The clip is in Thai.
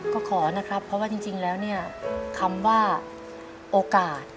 ก็ขอนะครับเพราะว่าจริงแล้วเนี่ยคำว่าโอกาส